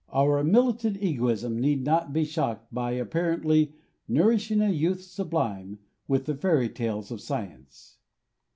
Our militant egoism need not be shocked by apparently Nourishing a youth sublime With the fairy tales of science.